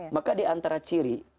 maka diantara ciri